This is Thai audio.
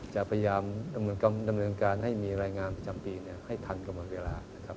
จะพยายามดำเนินการให้มีรายงานประจำปีให้ทันกับเวลา